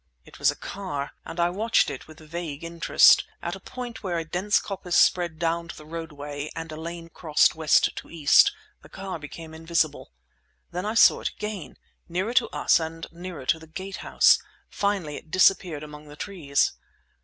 It was a car, and I watched it with vague interest. At a point where a dense coppice spread down to the roadway and a lane crossed west to east, the car became invisible. Then I saw it again, nearer to us and nearer to the Gate House. Finally it disappeared among the trees.